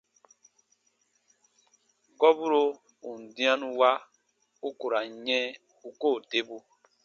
Gɔburo ù n dĩanu wa, u ku ra n yɛ̃ u koo debu.